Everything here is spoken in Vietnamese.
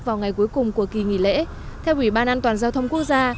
vào ngày cuối cùng của kỳ nghỉ lễ theo ủy ban an toàn giao thông quốc gia